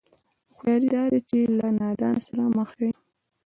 هوښياري دا ده چې له نادانه سره مخ شي.